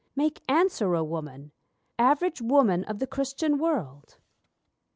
Make answer, O Woman! Average Woman of the Christian world.